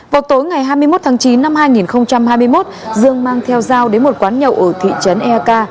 vào tối ngày hai mươi một tháng chín năm hai nghìn hai mươi một dương mang theo dao đến một quán nhậu ở thị trấn eak